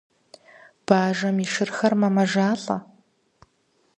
Бажэм и шырхэр мэмэжалӏэ.